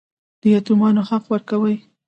د یتیمانو حق ورکوئ؟